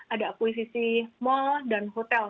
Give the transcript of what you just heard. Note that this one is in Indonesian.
ada posisi mall dan hotel